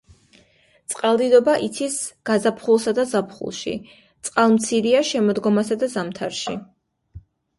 წყალდიდობა იცის გაზაფხულსა და ზაფხულში, წყალმცირეა შემოდგომასა და ზამთარში.